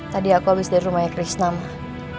tadi aku habis dari rumahnya krisna mah